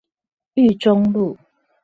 裕忠路